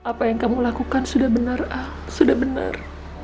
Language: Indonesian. apa yang kamu lakukan sudah benar ah sudah benar